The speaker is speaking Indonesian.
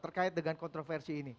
terkait dengan kontroversi ini